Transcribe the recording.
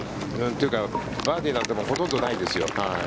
というかバーディーなんてほとんどないですよ。